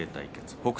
北勝